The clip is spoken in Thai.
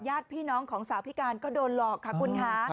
ญาติพี่น้องของสาวพิการก็โดนหลอกค่ะคุณค่ะ